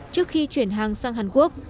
trước khi chuyển hàng sang hàn quốc